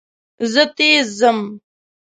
زه تېز ځم.